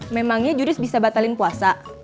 memangnya juris bisa batalin puasa